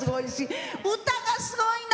歌がすごいの！